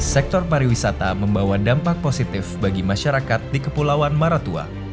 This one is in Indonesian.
sektor pariwisata membawa dampak positif bagi masyarakat di kepulauan maratua